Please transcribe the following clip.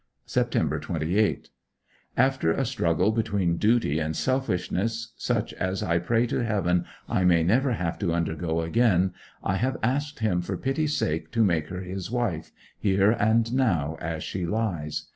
Sept. 28. After a struggle between duty and selfishness, such as I pray to Heaven I may never have to undergo again, I have asked him for pity's sake to make her his wife, here and now, as she lies.